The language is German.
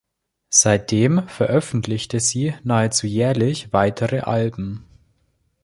Seitdem veröffentlichte sie nahezu jährlich weitere Alben.